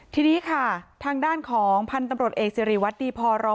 ทีนี้ค่ะทางด้านของพันธุ์ตำรวจเอกสิริวัตรดีพอรอง